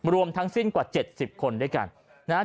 รวมทั้งสิ้นกว่า๗๐คนด้วยกันนะฮะ